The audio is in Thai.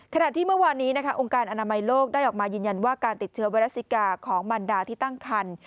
ขณะที่เมื่อวานนี้นะคะองค์การอนามัยโลกได้ออกมายืนยันว่าการติดเชื้อไวรัสซิกาของมันดาที่ตั้งคัน